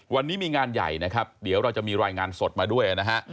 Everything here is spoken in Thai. วันนี้มีงานใหญ่นะครับเดี๋ยวเราจะมีรายงานสดมาด้วยนะฮะ